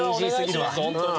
本当に。